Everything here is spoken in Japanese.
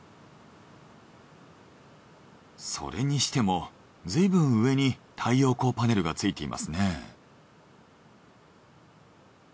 それにしてもずいぶん上に太陽光パネルがついていますね。